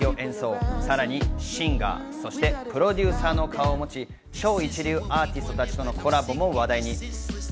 さまざまな楽器を演奏、さらにシンガー、そしてプロデューサーの顔を持ち、超一流アーティストたちとのコラボも話題に。